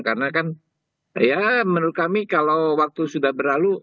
karena kan menurut kami kalau waktu sudah berlalu